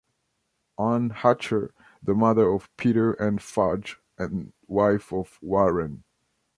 Anne Hatcher - The mother of Peter and Fudge, and wife of Warren.